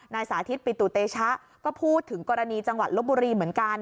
สาธิตปิตุเตชะก็พูดถึงกรณีจังหวัดลบบุรีเหมือนกัน